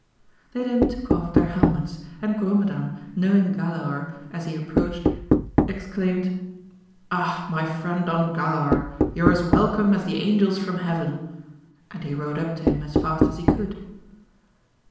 They then took off their helmets, and Grumedan knowing Galaor as he approached exclaimed. Ah, my friend Don Galaor, you are as welcome as the angels from heaven ! and he rode up to him as fast as he could.